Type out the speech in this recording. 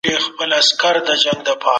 څنګه روغتونونه د ناروغانو درملنه کوي؟